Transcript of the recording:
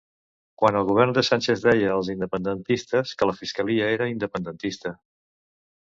Quan el govern de Sánchez deia als independentistes que la fiscalia era independentista.